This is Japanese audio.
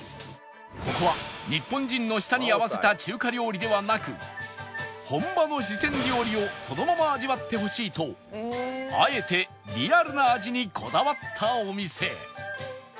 ここは日本人の舌に合わせた中華料理ではなく本場の四川料理をそのまま味わってほしいとあえてリアルな味にこだわったお店